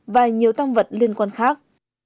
và nhiều tăng vật liên quan khác